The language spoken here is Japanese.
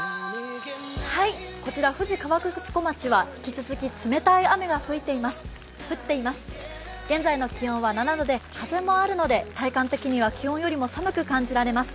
こちら富士河口湖町は引き続き冷たい雨が降っています。